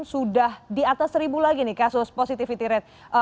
sudah di atas seribu lagi nih kasus positivity rate